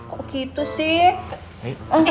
kok gitu sih